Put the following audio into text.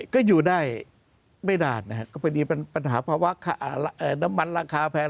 ก็อยู่ได้ไม่นานนะครับก็พอดีปัญหาภาวะน้ำมันราคาแพง